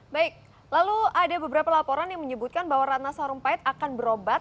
baik lalu ada beberapa laporan yang menyebutkan bahwa ratna sarumpait akan berobat